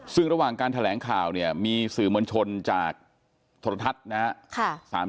ซึ่งระหว่างการแถลงข่าวเนี่ยมีสื่อมวลชนจากโทรทัศน์นะครับ